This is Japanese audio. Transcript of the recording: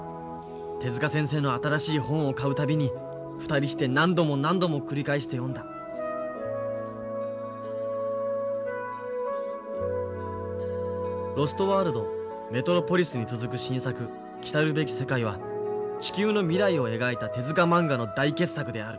手先生の新しい本を買う度に２人して何度も何度も繰り返して読んだ「ロストワールド」「メトロポリス」に続く新作「来るべき世界」は地球の未来を描いた手まんがの大傑作である。